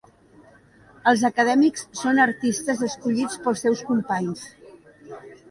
Els acadèmics són artistes escollits pels seus companys.